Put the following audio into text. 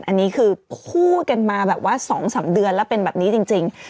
อันนี้คือพูดกันมาแบบว่า๒๓เดือนแล้วเป็นแบบนี้จริง